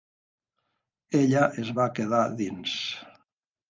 Ella es va quedar dins.